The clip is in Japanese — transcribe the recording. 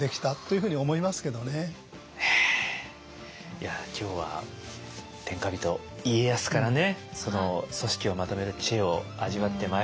いや今日は天下人家康からね組織をまとめる知恵を味わってまいりましたけれども。